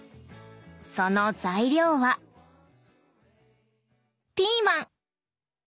その材料はピーマン！